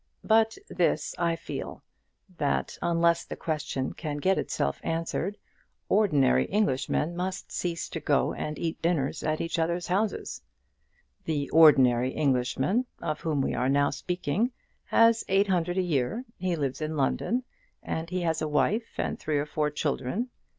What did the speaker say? But this I feel, that unless the question can get itself answered, ordinary Englishmen must cease to go and eat dinners at each other's houses. The ordinary Englishman, of whom we are now speaking, has eight hundred a year; he lives in London; and he has a wife and three or four children.